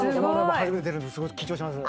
初めてなんですごく緊張します。